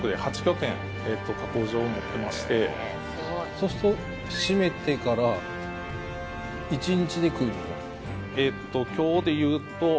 そうするとしめてから１日でくるの？